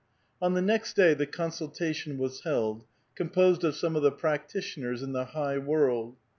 On the next day the consultation was held, composed of some of the practitioners in the high world.